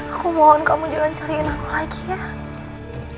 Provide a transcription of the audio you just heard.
aku mohon kamu jalan cariin aku lagi ya